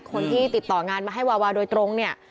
คนที่ติดต่องานมาให้วาวาโดยตรงเนี่ย